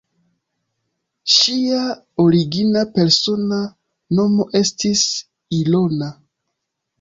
Ŝia origina persona nomo estis "Ilona".